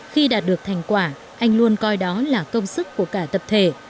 khi đạt được thành quả anh luôn coi đó là công sức của cả tập thể